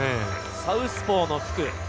サウスポーの福。